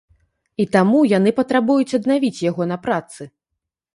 І таму яны патрабуюць аднавіць яго на працы.